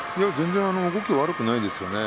動きは悪くないですね